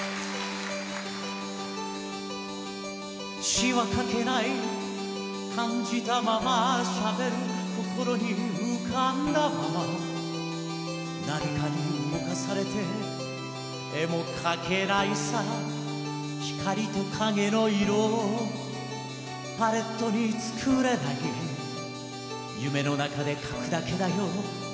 詩は書けない感じたまま喋る心に浮かんだまま何かに動かされて絵も描けないさ光と影の色をパレットに作れない夢の中で描くだけだよ